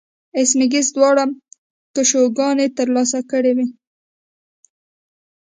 ایس میکس دواړه کشوګانې ترلاسه کړې وې